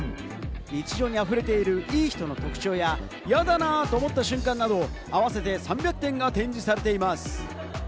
日常にあふれている、いい人の特徴や、やだなーと思った瞬間など、合わせて３００点が展示されています。